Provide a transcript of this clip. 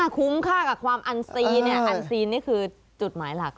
คุ้มค่ากับความอันซีนอันซีนนี่คือจุดหมายหลัก